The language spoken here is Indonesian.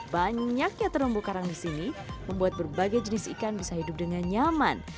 banyak yang terlumbu karang di sini membuat berbagai jenis ikan bisa hidup dengan nyaman